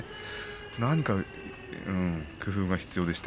何か工夫が必要でした。